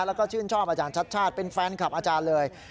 แล้วก็ชื่นชอบอาจารย์ชัดชาติเป็นแฟนคลับอาจารย์เลย